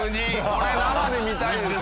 これ生で見たいですよね。